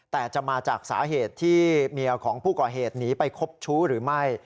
แต่จะมาจากสาเหตุที่เมียของผู้ก่อเหตุหนีไปคบชู้หรือไม่